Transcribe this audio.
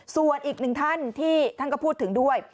ส่วนอีกหนึ่งท่านที่ท่านก็พูดถึงด้วย